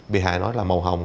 bi hại nói là màu hồng